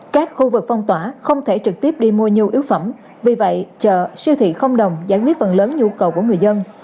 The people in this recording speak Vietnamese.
các khu vực phong tỏa không thể trực tiếp đi mua nhu yếu phẩm vì vậy chợ siêu thị không đồng giải quyết phần lớn nhu cầu của người dân